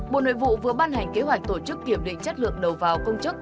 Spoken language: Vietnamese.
bộ nội vụ vừa ban hành kế hoạch tổ chức kiểm định chất lượng đầu vào công chức